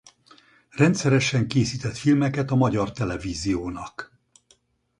Rendszeresen készített filmeket a Magyar Televíziónak.